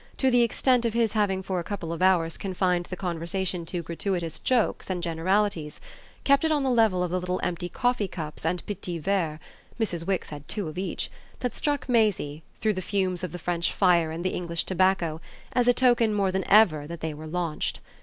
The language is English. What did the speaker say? to the extent of his having for a couple of hours confined the conversation to gratuitous jokes and generalities, kept it on the level of the little empty coffee cups and petits verres (Mrs. Wix had two of each!) that struck Maisie, through the fumes of the French fire and the English tobacco, as a token more than ever that they were launched.